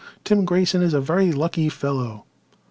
Tim Grayson is a very lucky fellow."